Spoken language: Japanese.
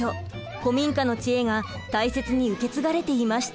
古民家の知恵が大切に受け継がれていました。